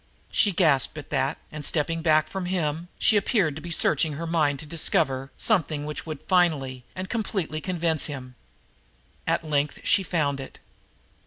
She gasped at that, and, stepping back from him, she appeared to be searching her mind to discover something which would finally and completely convince him. At length she found it.